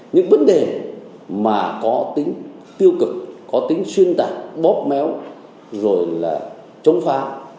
những vấn đề mà có tính tiêu cực có tính xuyên tạc bóp méo rồi là chống phá